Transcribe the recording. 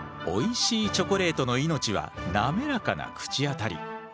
おいしいチョコレートの命は滑らかな口当たり。